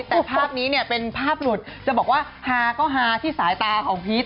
แต่ภาพนี้เนี่ยเป็นภาพหลุดจะบอกว่าฮาก็ฮาที่สายตาของพีช